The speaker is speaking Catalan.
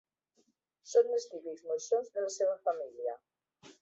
Són els típics moixons de la seva família.